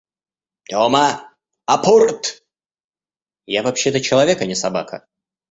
«Тёма, апорт!» — «Я вообще-то человек, а не собака».